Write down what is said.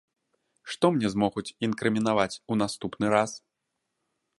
Што мне змогуць інкрымінаваць у наступны раз?